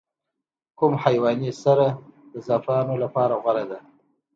کوم حیواني سره د زعفرانو لپاره غوره ده؟